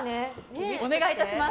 お願いいたします。